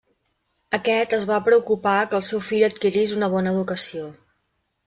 Aquest es va preocupar que el seu fill adquirís una bona educació.